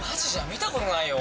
見たことないよ